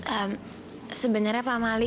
eh sebenarnya pak mali